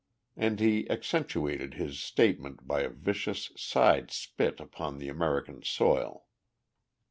And he accentuated his statement by a vicious side spit upon the American soil.